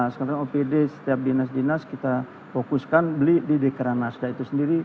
sekarang opd setiap dinas dinas kita fokuskan beli di dekaran nasda itu sendiri